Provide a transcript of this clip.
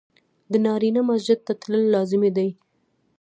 د نارينه مسجد ته تلل لازمي دي.